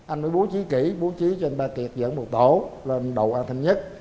anh mới bố trí kỹ bố trí cho anh ba kiệt dẫn một tổ lên đầu a thành nhất